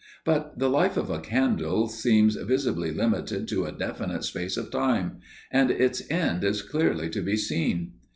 But the life of a candle seems visibly limited to a definite space of time, and its end is clearly to be seen.